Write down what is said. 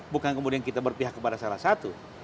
bukan kemudian kita berpihak kepada salah satu